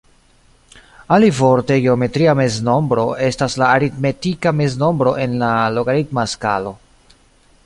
Alivorte, geometria meznombro estas la aritmetika meznombro en la logaritma skalo.